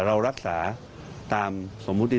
ขอเลื่อนสิ่งที่คุณหนูรู้สึก